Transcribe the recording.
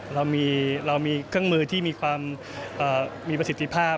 เรามีเครื่องมือที่มีความมีประสิทธิภาพ